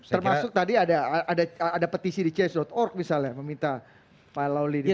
termasuk tadi ada petisi di cs org misalnya meminta file lawley diperhatikan